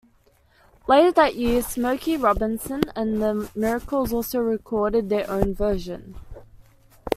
Later that year, Smokey Robinson and the Miracles also recorded their own version.